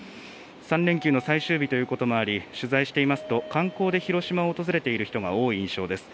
３連休の最終日ということもあり、取材していますと、観光で広島を訪れている人が多い印象です。